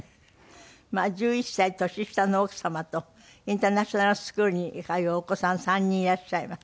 まあ１１歳年下の奥様とインターナショナルスクールに通うお子さん３人いらっしゃいます。